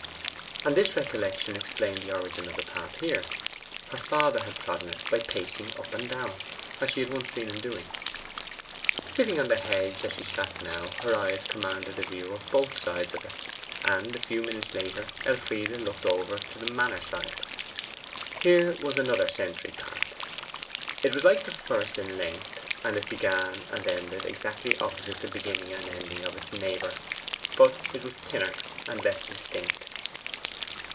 And this recollection explained the origin of the path here. Her father had trodden it by pacing up and down, as she had once seen him doing. Sitting on the hedge as she sat now, her eyes commanded a view of both sides of it. And a few minutes later, Elfride looked over to the manor side. Here was another sentry path. It was like the first in length, and it began and ended exactly opposite the beginning and ending of its neighbour, but it was thinner, and less distinct.